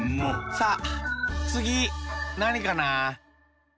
さあつぎなにかな？